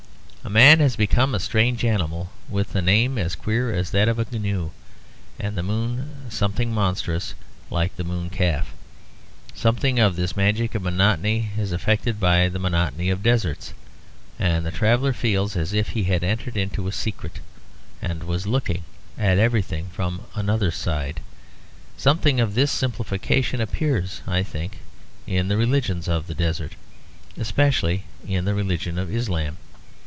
A man has become a strange animal with a name as queer as that of the gnu; and the moon something monstrous like the moon calf. Something of this magic of monotony is effected by the monotony of deserts; and the traveller feels as if he had entered into a secret, and was looking at everything from another side. Something of this simplification appears, I think, in the religions of the desert, especially in the religion of Islam.